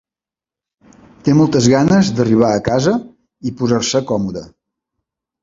Té moltes ganes d'arribar a casa i posar-se còmode.